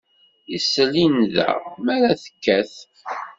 Isel i nnda mi ara tekkat.